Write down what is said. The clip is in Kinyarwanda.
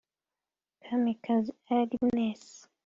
Kamikazi Agnes